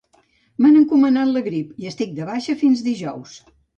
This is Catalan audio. M'han encomanat la grip i estic de baixa fins dijous